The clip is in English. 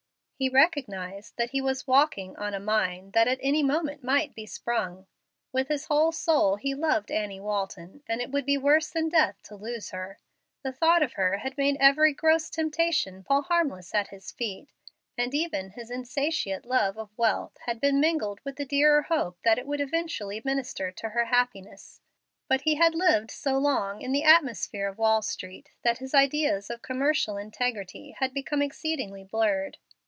He recognized that he was walking on a mine that at any moment might be sprung. With his whole soul he loved Annie Walton, and it would be worse than death to lose her. The thought of her had made every gross temptation fall harmless at his feet, and even his insatiate love of wealth had been mingled with the dearer hope that it would eventually minister to her happiness. But he had lived so long in the atmosphere of Wall Street that his ideas of commercial integrity had become exceedingly blurred.